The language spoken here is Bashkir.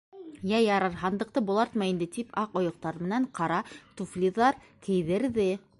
— Йә, ярар, һандыҡты болартма инде, — тип, аҡ ойоҡтар менән ҡара туфлиҙар кейҙерҙе.